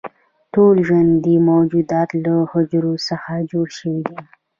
ټول ژوندي موجودات له حجرو څخه جوړ شوي دي